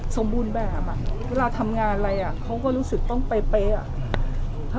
สมบูรณ์แบบเวลาทำงานอะไรเขาก็รู้สึกต้องเป๊ะ